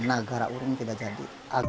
nagara urung tidak jadi